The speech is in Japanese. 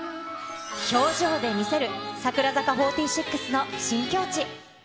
表情で見せる、櫻坂４６の新境地。